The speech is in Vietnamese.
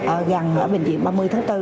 ở gần bệnh viện ba mươi tháng bốn